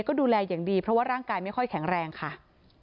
ก็ดูแลอย่างดีเพราะว่าร่างกายไม่ค่อยแข็งแรงค่ะ